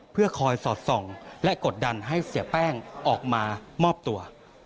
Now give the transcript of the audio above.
เพื่อคอยสอดส่องและกดดันให้เสียแป้งออกมามอบตัว